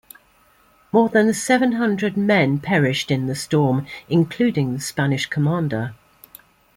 More than seven hundred men perished in the storm, including the Spanish Commander.